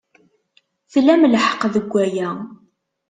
Tlamt lḥeqq deg waya.